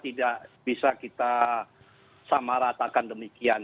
tidak bisa kita samaratakan demikian